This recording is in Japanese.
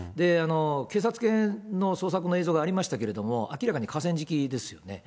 警察犬の捜索の映像がありましたけれども、明らかに河川敷ですよね。